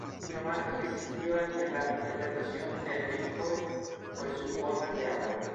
Una marca distintiva de la interpretación de McCoy fue su forma de hablar.